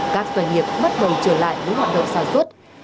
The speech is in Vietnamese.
các doanh nghiệp bắt đầu trở lại với hoạt động sản xuất